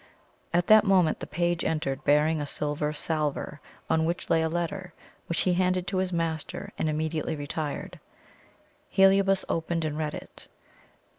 At that moment the page entered bearing a silver salver, on which lay a letter, which he handed to his master and immediately retired. Heliobas opened and read it.